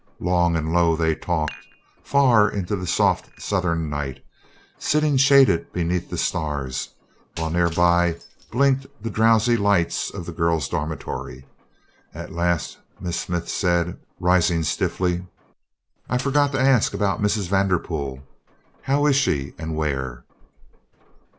Long and low they talked, far into the soft Southern night; sitting shaded beneath the stars, while nearby blinked the drowsy lights of the girls' dormitory. At last Miss Smith said, rising stiffly: "I forgot to ask about Mrs. Vanderpool. How is she, and where?"